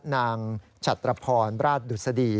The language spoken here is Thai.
นางฉัตรพรดูสดี